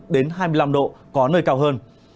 một mươi chín đến hai mươi năm độ có nơi cao hơn